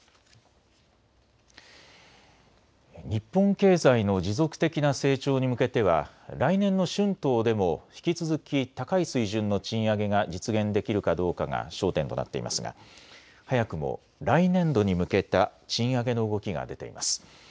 日本経済の持続的な成長に向けては来年の春闘でも引き続き高い水準の賃上げが実現できるかどうかが焦点となっていますが早くも来年度に向けた賃上げの動きが出ています。